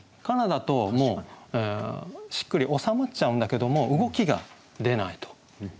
だとしっくり収まっちゃうんだけども動きが出ないと。